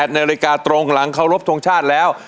นาฬิกาตรงหลังเคารพทงชาติแล้ว